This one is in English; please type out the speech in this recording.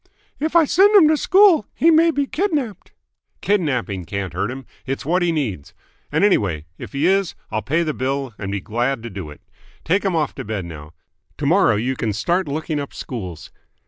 "Well?" "If I send him to a school, he may be kidnapped." "Kidnapping can't hurt him. It's what he needs. And, anyway, if he is I'll pay the bill and be glad to do it. Take him off to bed now. To morrow you can start looking up schools.